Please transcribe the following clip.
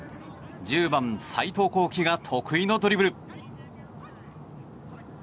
１０番、斉藤光毅が得意のドリブル。